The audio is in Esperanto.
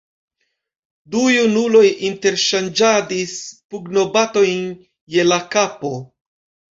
Du junuloj interŝanĝadis pugnobatojn je la kapo.